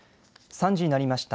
３時になりました。